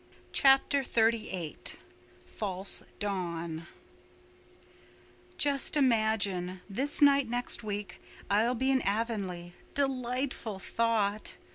Chapter XXXVIII False Dawn "Just imagine—this night week I'll be in Avonlea—delightful thought!"